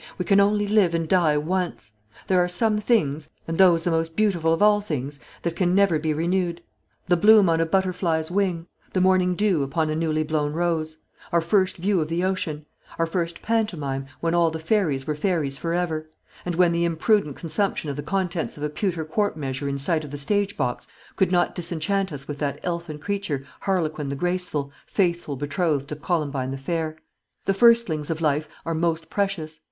we can only live and die once. There are some things, and those the most beautiful of all things, that can never be renewed: the bloom on a butterfly's wing; the morning dew upon a newly blown rose; our first view of the ocean; our first pantomime, when all the fairies were fairies for ever, and when the imprudent consumption of the contents of a pewter quart measure in sight of the stage box could not disenchant us with that elfin creature, Harlequin the graceful, faithful betrothed of Columbine the fair. The firstlings of life are most precious.